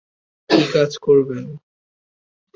কি কাজ করবেন?